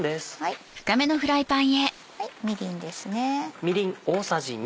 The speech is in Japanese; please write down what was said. みりんですね。